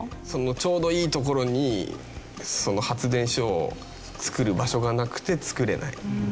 ちょうどいい所に発電所を造る場所がなくて造れない。